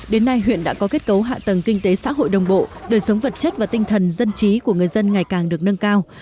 đến nay huyện đã có kết cấu hạ tầng kinh tế xã hội đồng bộ đời sống vật chất và tinh thần dân trí của người dân ngày càng được nâng cao